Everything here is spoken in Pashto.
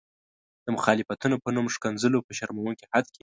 د مخالفتونو په نوم ښکنځلو په شرموونکي حد کې.